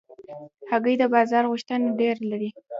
هګۍ د بازار غوښتنه ډېره لري.